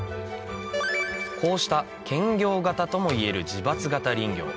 こうした兼業型ともいえる自伐型林業